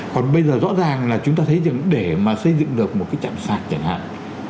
còn bây giờ rõ ràng là chúng ta thấy rằng để mà xây dựng được một cái chạm sạt chẳng hạn